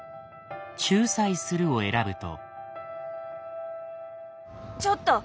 「仲裁する」を選ぶと。